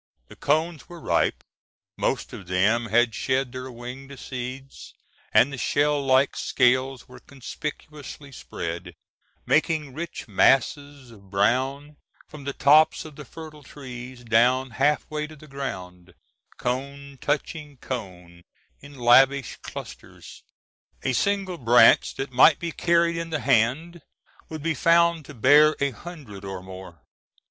The cones were ripe; most of them had shed their winged seeds, and the shell like scales were conspicuously spread, making rich masses of brown from the tops of the fertile trees down halfway to the ground, cone touching cone in lavish clusters. A single branch that might be carried in the hand would be found to bear a hundred or more.